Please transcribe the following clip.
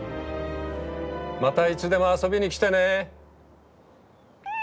またいつでも遊びに来てね！